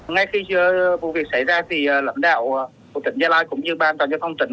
ngay khi vụ việc xảy ra thì lãnh đạo của tỉnh gia lai cũng như ban an toàn giao thông tỉnh